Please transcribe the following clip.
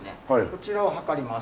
こちらを測ります。